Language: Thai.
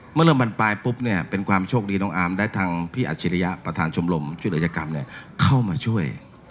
เมื่อเริ่มบรรปลายปุ๊บเนี่ยเป็นความโชคดีน้องอาร์มและทางพี่อัจฉริยะประธานชมรมช่วยเหลือยกรรมเข้ามาช่วย